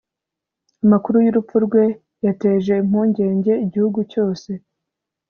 Amakuru yurupfu rwe yateje impungenge igihugu cyose